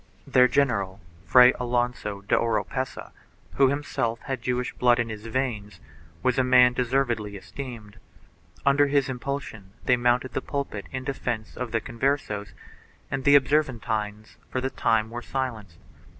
Their general, Fray Alonso de Oropesa, who himself had Jewish blood in his veins, was a man deservedly esteemed; under his impulsion they mounted the pulpit in defence of the Conversos and the Observantines for the time were silenced.